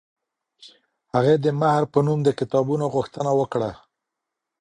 هغې د مهر په نوم د کتابونو غوښتنه وکړه.